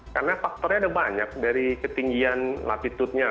karena faktornya ada banyak dari ketinggian latitudenya